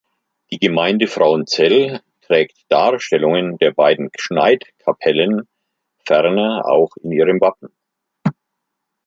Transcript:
Die Gemeinde Frauenzell trägt Darstellungen der beiden Gschnaidt-Kapellen ferner auch in ihrem Wappen.